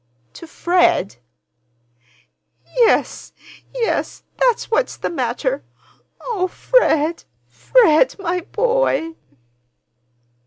"To—Fred?" "Yes, yes, that's what's the matter. Oh, Fred, Fred, my boy!"